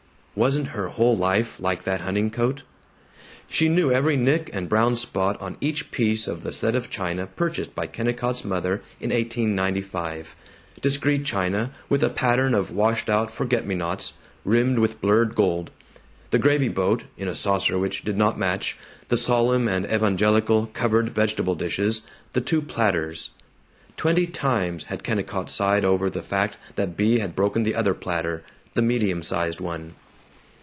Wasn't her whole life like that hunting coat? She knew every nick and brown spot on each piece of the set of china purchased by Kennicott's mother in 1895 discreet china with a pattern of washed out forget me nots, rimmed with blurred gold: the gravy boat, in a saucer which did not match, the solemn and evangelical covered vegetable dishes, the two platters. Twenty times had Kennicott sighed over the fact that Bea had broken the other platter the medium sized one.